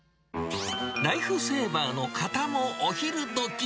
ライフセーバーの方もお昼どき。